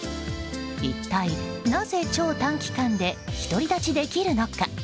一体なぜ、超短期間で独り立ちできるのか？